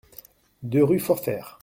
deux rue Forfert